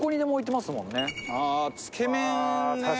ああーつけ麺ね。